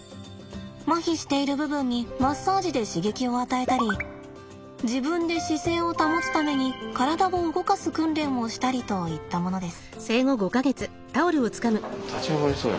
まひしている部分にマッサージで刺激を与えたり自分で姿勢を保つために体を動かす訓練をしたりといったものです。